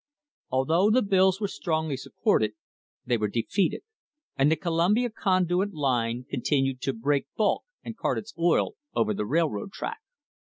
Although the bills were strongly sup ported, they were defeated, and the Columbia Conduit Line continued to "break bulk" and cart its oil over the railroad track.